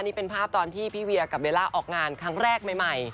นี่เป็นภาพตอนที่พี่เวียกับเบลล่าออกงานครั้งแรกใหม่